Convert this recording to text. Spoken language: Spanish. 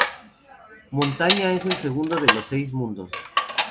Montaña es el segundo de los seis mundos.